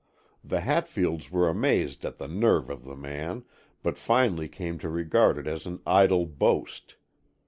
The Hatfields were amazed at the nerve of the man, but finally came to regard it as an idle boast.